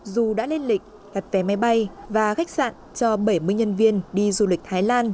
dù đã lên lịch đặt vé máy bay và khách sạn cho bảy mươi nhân viên đi du lịch thái lan